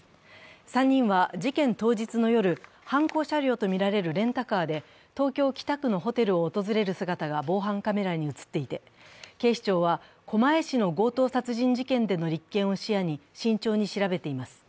３人は事件当日の夜、犯行車両とみられるレンタカーで東京・帰宅のホテルを訪れる姿が防犯カメラに映っていて、警視庁は狛江市の強盗殺人事件での立件を視野に慎重に調べています。